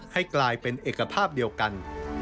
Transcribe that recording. ให้กลายเป็นเอกภาพเดียวกัน